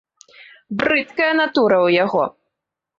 Брыдкая натура ў яго!